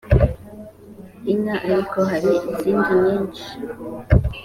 inka ariko hari izindi nyinshi